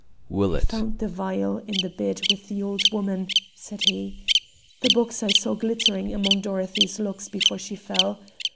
"I found the vial in the bed with the old woman," said he. "The box I saw glittering among Dorothy's locks before she fell.